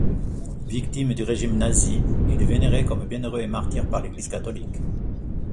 Victime du régime nazi, il est vénéré comme bienheureux et martyr par l'Église catholique.